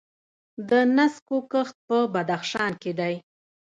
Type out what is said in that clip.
د نسکو کښت په بدخشان کې دی.